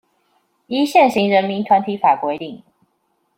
依現行人民團體法規定